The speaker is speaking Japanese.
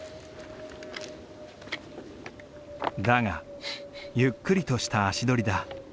だがゆっくりとした足取りだ。